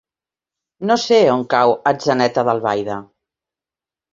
No sé on cau Atzeneta d'Albaida.